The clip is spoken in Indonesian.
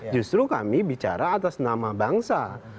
justru kami bicara atas nama bangsa